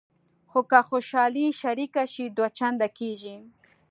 خو که خوشحالي شریکه شي دوه چنده کېږي.